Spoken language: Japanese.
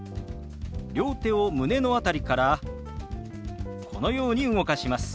両手を胸の辺りからこのように動かします。